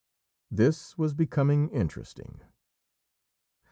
This was becoming interesting.